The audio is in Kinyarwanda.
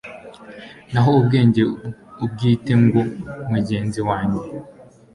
naho ubwenge ubwite ngo mugenzi wanjye